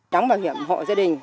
đóng bảo hiểm hộ gia đình